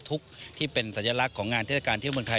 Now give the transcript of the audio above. ทุกข์ที่เป็นสัญลักษณ์ของงานเทศกาลเที่ยวเมืองไทย